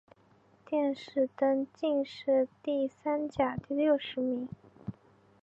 殿试登进士第三甲第六十名。